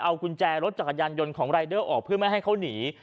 เอากุญแจรถจักรยานยนต์ของรายเดอร์ออกเพื่อไม่ให้เขาหนี